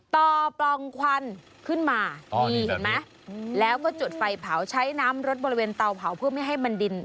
ปล่องควันขึ้นมานี่เห็นไหมแล้วก็จุดไฟเผาใช้น้ำรถบริเวณเตาเผาเพื่อไม่ให้มันดิน